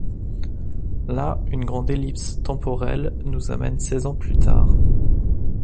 Là, une grande ellipse temporelle nous amène seize ans plus tard.